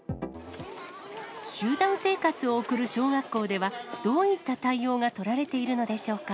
集団生活を送る小学校では、どういった対応が取られているのでしょうか。